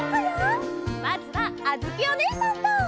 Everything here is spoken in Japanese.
まずはあづきおねえさんと。